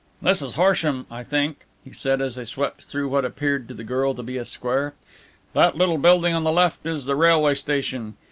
"This is Horsham, I think," he said, as they swept through what appeared to the girl to be a square. "That little building on the left is the railway station.